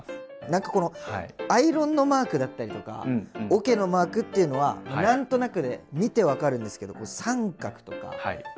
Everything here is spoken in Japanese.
何かこのアイロンのマークだったりとかおけのマークっていうのは何となくで見て分かるんですけど「△」とか「□」